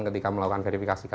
ketika melakukan verifikasi